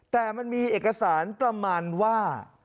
แต่มันมีเอกสารประมาณว่า